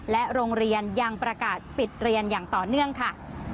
โรงเรียนยังประกาศปิดเรียนอย่างต่อเนื่องค่ะ